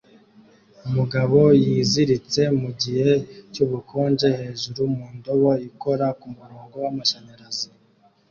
Umugabo yiziritse mugihe cyubukonje hejuru mu ndobo ikora kumurongo w'amashanyarazi